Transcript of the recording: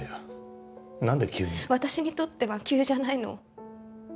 私にとっては急じゃないの。